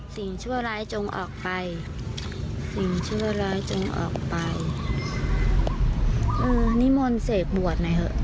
ชั่วร้ายจงออกไปสิ่งชั่วร้ายจงออกไปเออนิมนต์เสกบวชหน่อยเถอะ